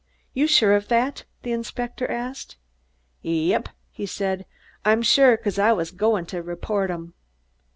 "You're sure of that?" the inspector asked. "Yep!" he said, "I'm sure, 'cause I was goin' to report 'em."